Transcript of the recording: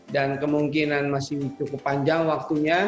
dan kemungkinan masih cukup panjang waktunya